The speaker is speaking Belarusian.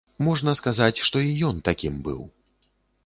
Можна сказаць, што і ён такім быў.